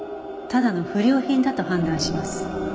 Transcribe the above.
ただの不良品だと判断します。